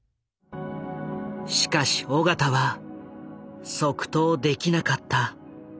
しかし緒方は即答できなかった。